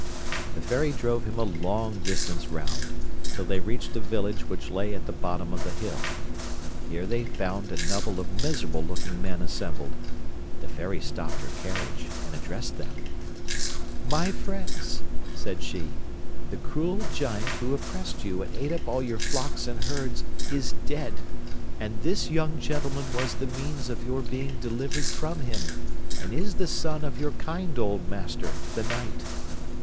The Fairy drove him a long distance round, till they reached a village which lay at the bottom of the hill. Here they found a number of miserable looking men assembled. The Fairy stopped her carriage and addressed them: 'My friends,' said she, 'the cruel giant who oppressed you and ate up all your flocks and herds is dead, and this young gentleman was the means of your being delivered from him, and is the son of your kind old master, the knight.